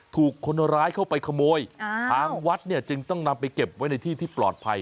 ถูกคนร้ายเข้าไปขโมยทางวัดเนี่ยจึงต้องนำไปเก็บไว้ในที่ที่ปลอดภัย